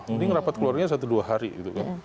mending rapat keluarganya satu dua hari gitu kan